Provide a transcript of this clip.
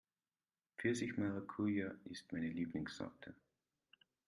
Pfirsich-Maracuja ist meine Lieblingssorte